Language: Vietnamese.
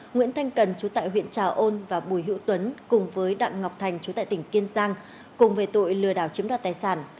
nguyễn thanh cần chú tại huyện trà ôn và bùi hữu tuấn cùng với đặng ngọc thành chú tại tỉnh kiên giang cùng về tội lừa đảo chiếm đoạt tài sản